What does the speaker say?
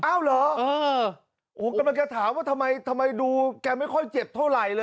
เอ้าเหรอโอ้โฮทำไมแกถามว่าทำไมดูแกไม่ค่อยเจ็บเท่าไหร่เลย